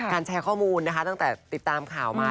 การแชร์ข้อมูลตั้งแต่ติดตามข่าวมา